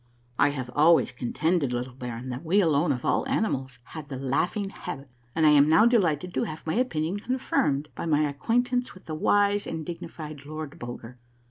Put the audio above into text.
I have always contended, little baron, that we alone of all animals had the laughing habit, and I am now delighted to have my opinion confirmed by my acquaintance with the wise and dignified Lord Bulger.